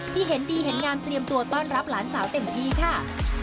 ที่เห็นดีเห็นงามเตรียมตัวต้อนรับหลานสาวเต็มที่ค่ะ